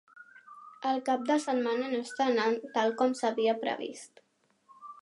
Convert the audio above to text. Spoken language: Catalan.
El cap de setmana no està anant tal com s'havia previst.